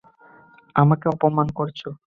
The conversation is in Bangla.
আমাকে অপমান করছো।